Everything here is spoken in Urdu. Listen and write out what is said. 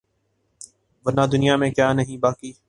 ورنہ دنیا میں کیا نہیں باقی